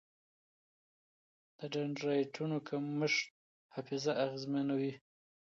د ډنډرایټونو کمښت حافظه اغېزمنوي.